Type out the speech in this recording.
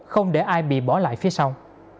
không để ai bị bỏ lại phía sau